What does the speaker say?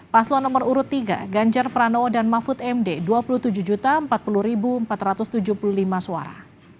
paslon nomor urut tiga ganjar pranowo dan mahfud md dua puluh tujuh empat puluh empat ratus tujuh puluh lima suara